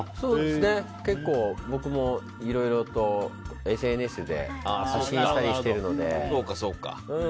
結構、僕もいろいろとＳＮＳで発信したりしてるので。